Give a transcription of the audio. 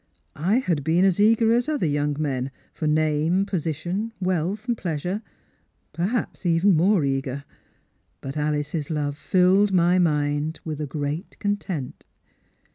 I had been as eager as other young men for name, position, wealth, jjleasure — per haps even more eager. But Alice's love filled my mind with a great content.